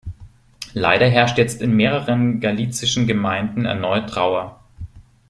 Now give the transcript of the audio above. Leider herrscht jetzt in mehreren galicischen Gemeinden erneut Trauer.